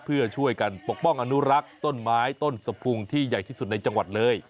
เพื่อช่วยกันปกป้องอนุรักษ์ต้นไม้ต้นสะพุงที่ใหญ่ที่สุดในจังหวัดเลย